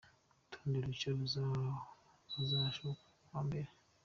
Urutonde rushya ruzasohoka ku wa mbere.